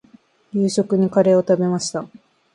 夕食にカレーを食べました。